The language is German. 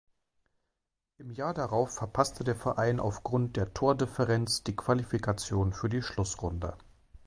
Im Jahr darauf verpasste der Verein aufgrund der Tordifferenz die Qualifikation für die Schlussrunde.